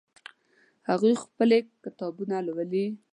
هغوی خپلې کتابونه لولي